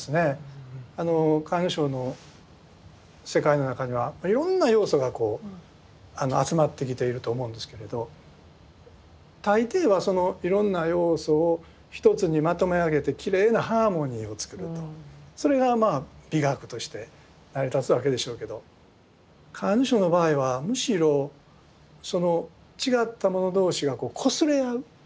甲斐荘の世界の中にはいろんな要素が集まってきていると思うんですけれど大抵はいろんな要素を一つにまとめ上げてきれいなハーモニーをつくるとそれがまあ美学として成り立つわけでしょうけど甲斐荘の場合はむしろその違ったもの同士がこすれ合う？